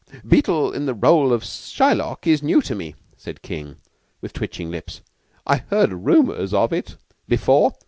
"Beetle in the rôle of Shylock is new to me," said King, with twitching lips. "I heard rumors of it " "Before?"